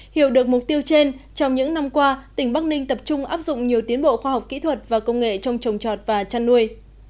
hiểu được mục tiêu trên trong những năm qua tỉnh bắc ninh tập trung áp dụng nhiều tiến bộ khoa học kỹ thuật và công nghệ trong trồng trọt và chăn nuôi